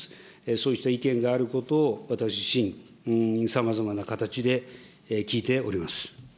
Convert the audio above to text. そうした意見があることを、私自身、さまざまな形で聞いております。